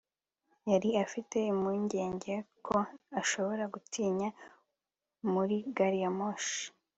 yari afite impungenge ko ashobora gutinda muri gari ya moshi